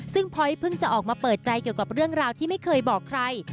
ซึ่งพอยเพิ่งจะออกมาเปิดใจเกี่ยวกับเรื่องราวที่ไม่เคยบอกใคร